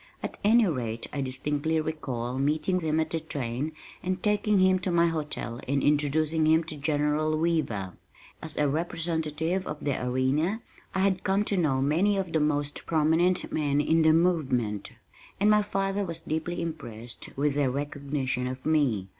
At any rate I distinctly recall meeting him at the train and taking him to my hotel and introducing him to General Weaver. As a representative of the Arena I had come to know many of the most prominent men in the movement, and my father was deeply impressed with their recognition of me.